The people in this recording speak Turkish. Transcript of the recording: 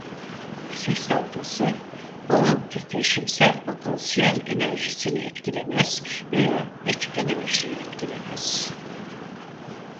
Ses dalgası bağın titreşimsel potansiyel enerjisini etkilemez veya iç enerjiyi etkilemez.